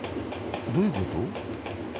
どういうこと？